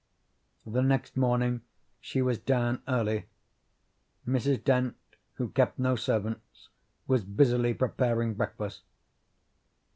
The next morning she was down early. Mrs. Dent, who kept no servants, was busily preparing breakfast.